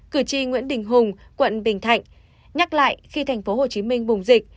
cử tri nguyễn đình hùng quận bình thạnh nhắc lại khi tp hcm bùng dịch